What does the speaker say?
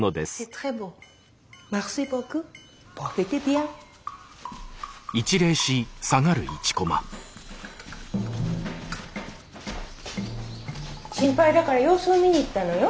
ヤバい心配だから様子を見に行ったのよ。